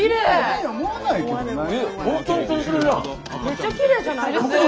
めっちゃきれいじゃないですか！